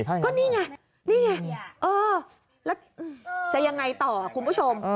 ก็นี่ไงนี่ไงเออจะยังไงต่อคุณผู้ชม